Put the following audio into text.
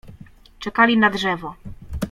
Czekali na drzewo.